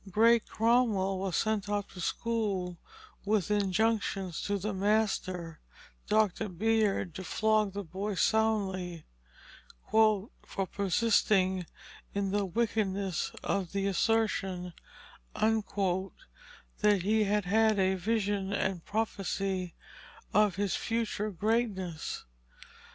Great Cromwell was sent off to school with injunctions to the master, Dr. Beard, to flog the boy soundly "for persisting in the wickedness of the assertion" that he had had a vision and prophecy of his future greatness.